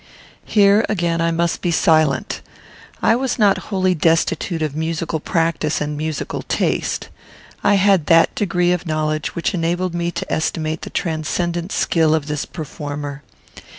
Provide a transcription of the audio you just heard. Here again I must be silent. I was not wholly destitute of musical practice and musical taste. I had that degree of knowledge which enabled me to estimate the transcendent skill of this performer.